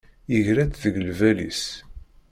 Yegra-tt deg lbal-is.